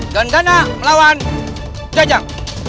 gangana melawan jajang